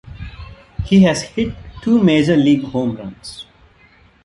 He has hit two major league home runs.